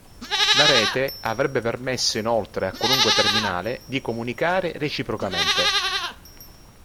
La rete avrebbe permesso inoltre a qualunque terminale di comunicare reciprocamente.